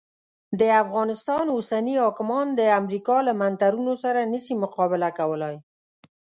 د افغانستان اوسني حاکمان د امریکا له منترونو سره نه سي مقابله کولای.